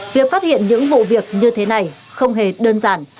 việc phát hiện những vụ việc như thế này không hề đơn giản